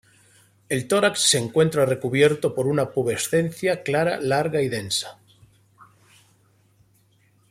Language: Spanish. El tórax se encuentra recubierto por una pubescencia clara, larga y densa.